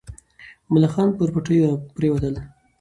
ملخان پر پټیو راپرېوتل.